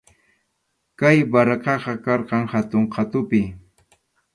Kay barracaqa karqan hatun qhatupi.